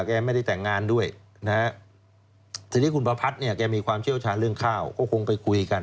แกไม่ได้แต่งงานด้วยนะฮะทีนี้คุณประพัดเนี่ยแกมีความเชี่ยวชาญเรื่องข้าวก็คงไปคุยกัน